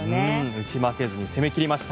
打ち負けず攻め切りました。